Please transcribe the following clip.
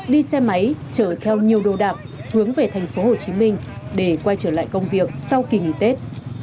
đi xe máy chở theo nhiều đồ đạc hướng về thành phố hồ chí minh để quay trở lại công việc sau kỳ nghỉ tết